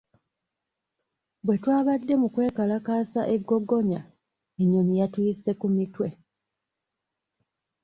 Bwe twabadde mu kwekalakaasa e Ggogonya, ennyonyi yatuyise ku mitwe.